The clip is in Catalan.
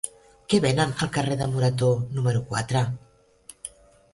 Què venen al carrer de Morató número quatre?